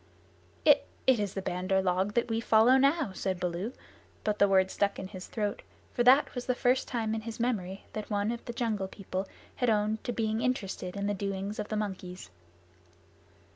"It it is the Bandar log that we follow now," said Baloo, but the words stuck in his throat, for that was the first time in his memory that one of the Jungle People had owned to being interested in the doings of the monkeys.